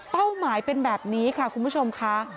หมายเป็นแบบนี้ค่ะคุณผู้ชมค่ะ